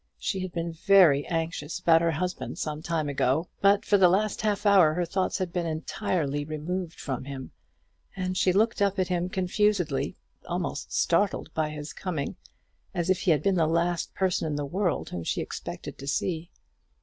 She had been very anxious about her husband some time ago; but for the last half hour her thoughts had been entirely removed from him; and she looked up at him confusedly, almost startled by his coming, as if he had been the last person in the world whom she expected to see.